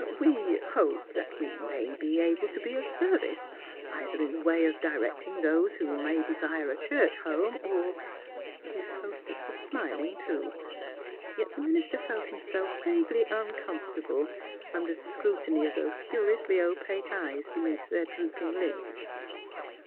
" We — ah — hope that we may be able to be of service, either in the way of directing those who may desire a church home, or " His hostess was smiling, too; yet the minister felt himself vaguely uncomfortable under the scrutiny of those curiously opaque eyes beneath their drooping lids.